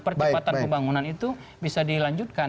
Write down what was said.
percepatan pembangunan itu bisa dilanjutkan